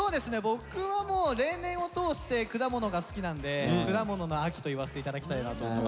僕はもう例年を通して果物が好きなんで果物の秋と言わせて頂きたいなと。